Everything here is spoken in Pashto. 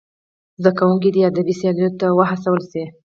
زدهکوونکي دې ادبي سیالیو ته وهڅول سي.